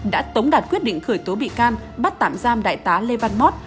đã tống đạt quyết định khởi tố bị can bắt tạm giam đại tá lê văn mót